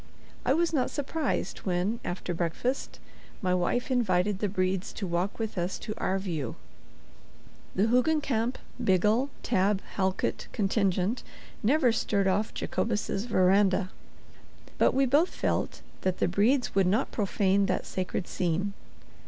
I was not surprised when, after breakfast, my wife invited the Bredes to walk with us to "our view." The Hoogencamp Biggle Tabb Halkit contingent never stirred off Jacobus's veranda; but we both felt that the Bredes would not profane that sacred scene.